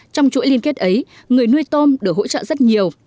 trong chuỗi liên kết ấy người nuôi tôm được hỗ trợ rất nhiều